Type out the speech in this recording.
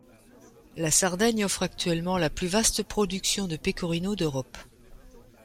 La Sardaigne offre actuellement la plus vaste production de pecorino d'Europe.